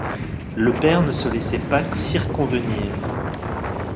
Le père ne se laissait pas circonvenir.